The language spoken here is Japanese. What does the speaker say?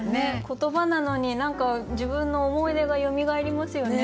言葉なのに何か自分の思い出がよみがえりますよね。